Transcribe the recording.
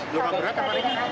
luka berat apa ini